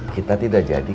kita tidak jadi